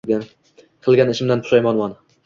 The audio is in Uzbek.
Qilgan ishimdan pushaymonman